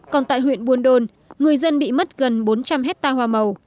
còn tại huyện buôn đôn người dân bị mất gần bốn trăm linh hectare hoa màu